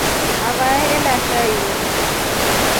Avae alesha hiyo.